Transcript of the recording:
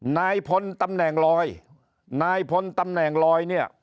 นายพลตำแหน่งลอยนายพลตำแหน่งลอยเนี่ย